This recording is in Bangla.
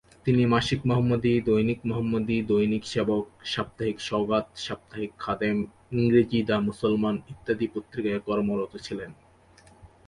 তিনি মাসিক মোহাম্মদী, দৈনিক মোহাম্মদী, দৈনিক সেবক, সাপ্তাহিক সওগাত, সাপ্তাহিক খাদেম, ইংরেজি দি মুসলমান ইত্যাদি পত্রিকায় কর্মরত ছিলেন।